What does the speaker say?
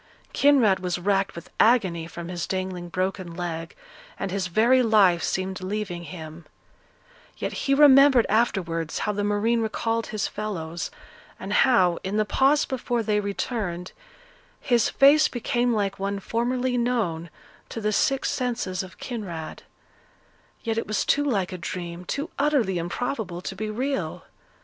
Kinraid was racked with agony from his dangling broken leg, and his very life seemed leaving him; yet he remembered afterwards how the marine recalled his fellows, and how, in the pause before they returned, his face became like one formerly known to the sick senses of Kinraid; yet it was too like a dream, too utterly improbable to be real.